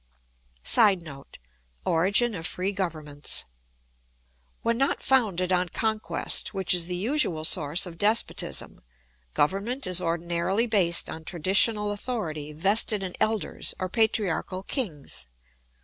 [Sidenote: Origin of free governments.] When not founded on conquest, which is the usual source of despotism, government is ordinarily based on traditional authority vested in elders or patriarchal kings.